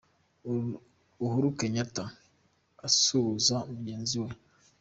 Uhuru Kenyattwa Kenya asuhuzanya na mugenzi we.